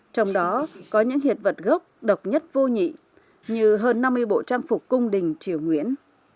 trong đó có những hiện vật gốc độc nhất vô nhị như hơn năm mươi bộ trang phục cung đình triều nguyễn